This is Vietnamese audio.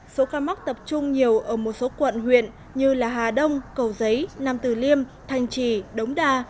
số ca mắc tập trung nhiều ở một số quận huyện như là hà đông cầu giấy nam từ liêm thành trì đống đa